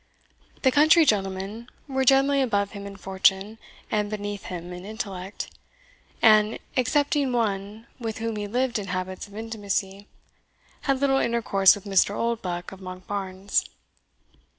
The country gentlemen were generally above him in fortune, and beneath him in intellect, and, excepting one with whom he lived in habits of intimacy, had little intercourse with Mr. Oldbuck of Monkbarns.